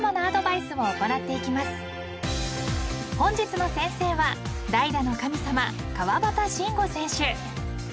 ［本日の先生は代打の神様川端慎吾選手］